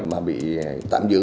mà bị tạm giữ